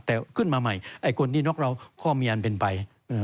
แต่ขึ้นมาใหม่ไอ้คนที่น็อกเราก็มีอันเป็นไป